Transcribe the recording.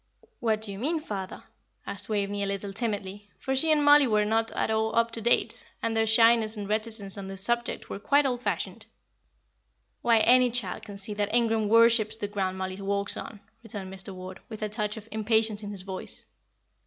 "What do you mean, father?" asked Waveney, a little timidly; for she and Mollie were not at all up to date, and their shyness and reticence on this subject were quite old fashioned. "Why, any child can see that Ingram worships the ground Mollie walks on," returned Mr. Ward, with a touch of impatience in his voice.